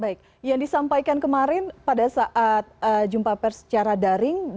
baik yang disampaikan kemarin pada saat jumpa pers secara daring